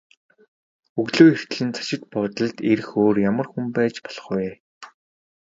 Өглөө эртлэн зочид буудалд ирэх өөр ямар хүн байж болох вэ?